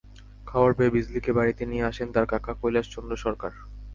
খবর পেয়ে বিজলীকে বাড়িতে নিয়ে আসেন তাঁর কাকা কৈলাস চন্দ্র সরকার।